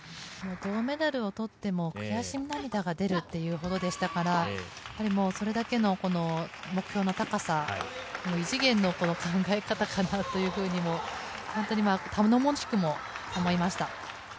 銅メダルを取っても悔し涙が出るっていうほどでしたから、それだけの目標の高さ、異次元の考え方かなっていうふうにも頼もしくも思いました。